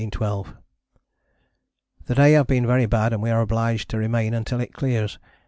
_ The day have been very bad and we are obliged to remain until it clears.